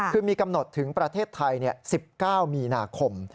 คือมีกำหนดถึงประเทศไทย๑๙มีนาคม